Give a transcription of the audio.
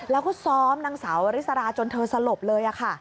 แล้วก็ซ้อมนางสาวริสราจนเธอสลบเลยค่ะ